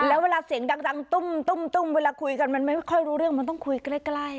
แล้วเวลาเสียงดังตุ้มเวลาคุยกันมันไม่ค่อยรู้เรื่องมันต้องคุยใกล้